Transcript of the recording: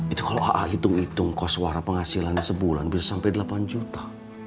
itu kalau a'a hitung hitung kos warah penghasilannya sebulan bisa sampai delapan juta